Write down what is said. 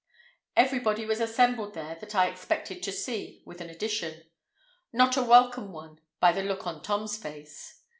Everybody was assembled there that I expected to see, with an addition. Not a welcome one by the look on Tom's face.